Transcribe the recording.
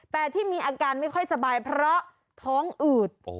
แต่ที่มีอาการไม่ค่อยสบายเพราะท้องอืด